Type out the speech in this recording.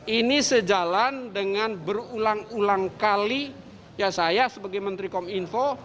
ini sejalan dengan berulang ulang kali ya saya sebagai menteri kominfo